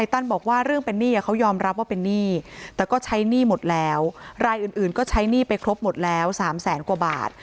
อย่าเอาอะไรมาทำเรา